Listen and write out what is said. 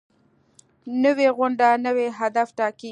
نوې غونډه نوي اهداف ټاکي